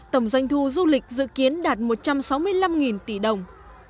tổng doanh thu du lịch dự kiến đạt một trăm sáu mươi năm tỷ đồng